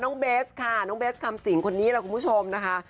เบสค่ะน้องเบสคำสิงคนนี้แหละคุณผู้ชมนะคะ